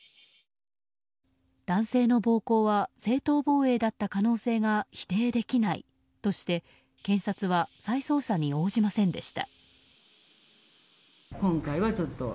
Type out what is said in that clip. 男性の暴行は正当防衛だった可能性が否定できないとして検察は再捜査に応じませんでした。